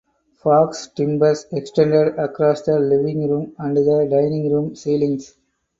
Faux timbers extend across the living room and the dining room ceilings.